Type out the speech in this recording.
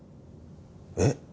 えっ？